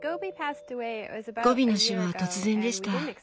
ゴビの死は突然でした。